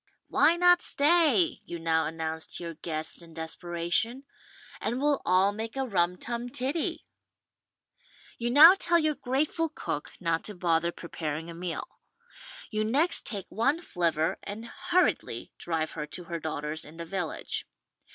"Why not stay," you now announce to your guests in desperation, "and we'll all make a rum tum tiddy ?" You now tell your grateful cook not to bother preparing a meal. You next take one flivver and hurriedly drive her to her daughter's in the village.